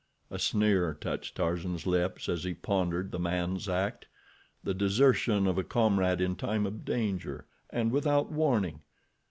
A sneer touched Tarzan's lips as he pondered the man's act—the desertion of a comrade in time of danger, and without warning.